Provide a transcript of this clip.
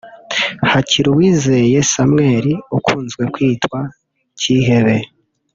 Hakiruwizeye Samuel ukunzwe kwitwa Cyihebe